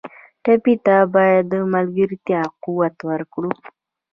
ټپي ته باید د ملګرتیا قوت ورکړو.